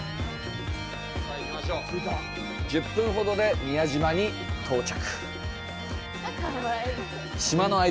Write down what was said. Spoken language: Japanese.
１０分ほどで宮島に到着。